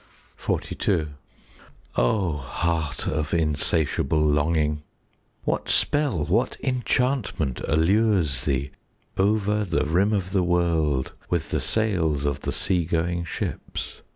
XLII O heart of insatiable longing, What spell, what enchantment allures thee Over the rim of the world With the sails of the sea going ships?